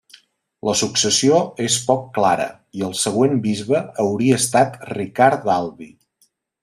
La successió és poc clara, i el següent bisbe hauria estat Ricard d'Albi.